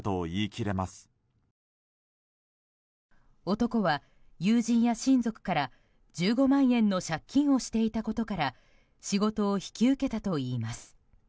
男は友人や親族から１５万円の借金をしていたことから仕事を引き受けたといいます。